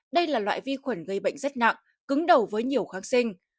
đây là loại vi khuẩn gây bệnh rất nặng cứng đầu với nhiều kháng sinh